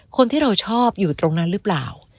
คนที่เราชอบอยู่ตรงนั้นหรือเปล่า